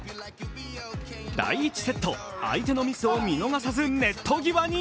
第１セット、相手のミスを見逃さず、ネット際に。